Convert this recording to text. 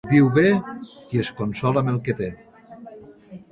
Viu bé qui es consola amb el que té.